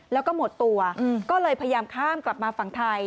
แล้วก็หมดตัวก็เลยพยายามข้ามกลับมาฝั่งไทย